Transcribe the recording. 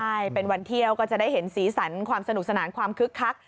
ใช่เป็นวันเที่ยวก็จะได้เห็นสีสันความสนุกสนานความคึกคัก